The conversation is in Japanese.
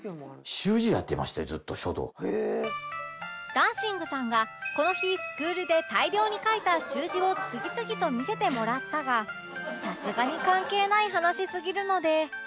ダンシングさんがこの日スクールで大量に書いた習字を次々と見せてもらったがさすがに関係ない話すぎるので